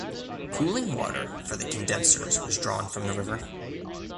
Cooling water for the condensers was drawn from the river.